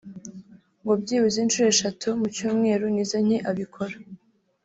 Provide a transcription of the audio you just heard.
ngo byibuze inshuro eshatu mu Cyumweru ni zo nke abikora